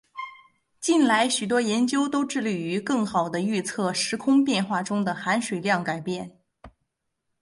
近来许多研究都致力于更好地预测时空变化中的含水量改变。